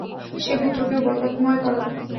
সে পুত্রকেও বরকতময় করব।